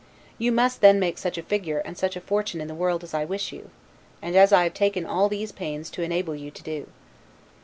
You must then make such a figure and such a fortune in the world as I wish you, and as I have taken all these pains to enable you to do.